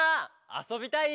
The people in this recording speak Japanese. あそびたい！